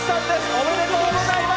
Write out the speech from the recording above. おめでとうございます。